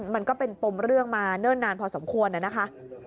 มันก็เป็นปมเรื่องมาเนิ่นนานพอสมควรนะคะ